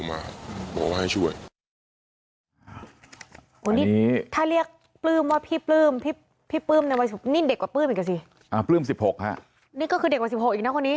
อะนี่ก็คือเด็กกว่า๑๖อีกนะว่านี้